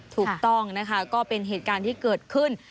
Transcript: ถูกต้องนะคะก็เป็นเหตุการณ์ที่เกิดขึ้น